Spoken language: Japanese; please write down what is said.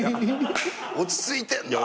落ち着いてんな。